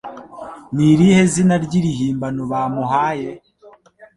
Ni irihe zina ry’irihimbano bamuhaye?